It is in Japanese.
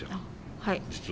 はい。